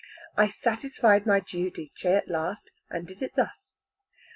I satisfied my Giudice at last, and did it thus.